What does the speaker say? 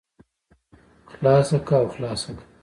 خلاصه که او خلاصه که.